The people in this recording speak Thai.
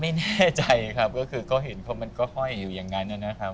ไม่แน่ใจครับก็คือก็เห็นเพราะมันก็ห้อยอยู่อย่างนั้นนะครับ